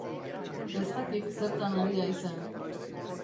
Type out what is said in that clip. Ez dakik zertan ari haizen.